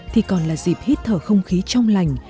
thì còn là dịp hít thở không khí trong lành